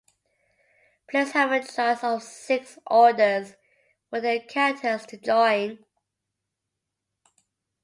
Players have a choice of six "Orders" for their characters to join.